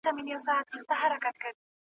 درته راوړمه به د پرخي نښتېځلي عطر .